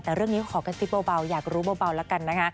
แต่เรื่องนี้ขอกระซิบเบาอยากรู้เบาแล้วกันนะคะ